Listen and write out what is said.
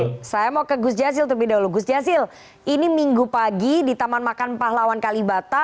oke saya mau ke gus jazil terlebih dahulu gus jazil ini minggu pagi di taman makan pahlawan kalibata